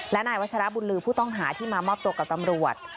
และนายวัชรบุญลือผู้ต้องหาที่มามอบตัวกับตำรวจ